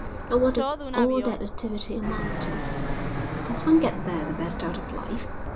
And what does all that activity amount to? Does one get there the best out of life?